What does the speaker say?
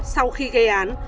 sau khi gây án